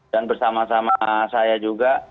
dan bersama sama saya juga